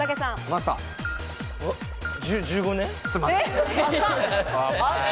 １５年。